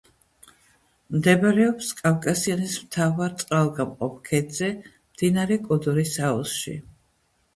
მდებარეობს კავკასიონის მთავარ წყალგამყოფ ქედზე, მდინარე კოდორის აუზში.